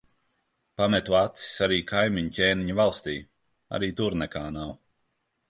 Pametu acis arī kaimiņu ķēniņa valstī. Arī tur nekā nav.